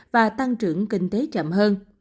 và tăng trưởng kinh tế chậm hơn